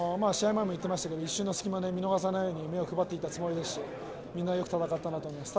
前も言っていましたが一瞬の隙も見逃さないように目を配っていたつもりですしみんなよく戦ったなと思います。